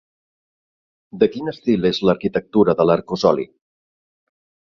De quin estil és l'arquitectura de l'arcosoli?